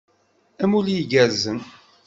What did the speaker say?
Amulli igerrzen!